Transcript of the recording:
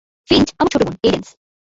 Finch, আমার ছোট বোন, কেইডেন্স।